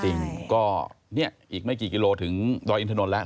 จริงก็เนี่ยอีกไม่กี่กิโลถึงดอยอินทนนท์แล้ว